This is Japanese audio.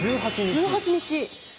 １８日。